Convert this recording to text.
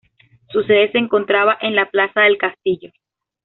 Su sede se encontraba en la plaza del Castillo.